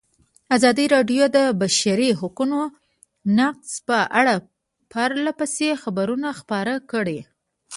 ازادي راډیو د د بشري حقونو نقض په اړه پرله پسې خبرونه خپاره کړي.